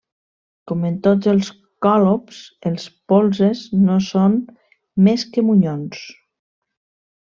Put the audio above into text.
Com en tots els còlobs, els polzes no són més que monyons.